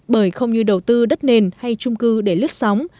bởi không như đầu tư đất nền hay trung cư để lướt sóng